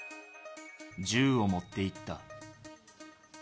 銃を持っていった。